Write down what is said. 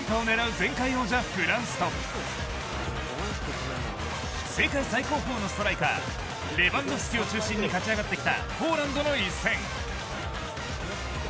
前回王者・フランスと世界最高峰のストライカーレヴァンドフスキを中心に勝ち上がってきたポーランドの一戦。